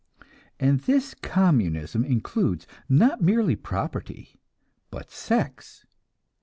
And this communism includes, not merely property, but sex.